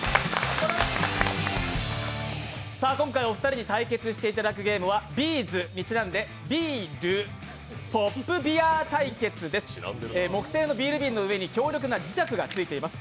今回お二人に対決していただくゲームは、Ｂ’ｚにちなみまして、ビール、「ホップビアー！」対決です木製のビール瓶の上に強烈な磁石がついています。